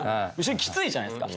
きついじゃないですか。